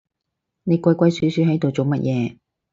你鬼鬼鼠鼠係度做乜嘢